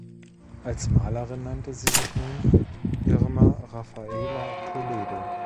Als Malerin nannte sie sich nun Irma Rafaela Toledo.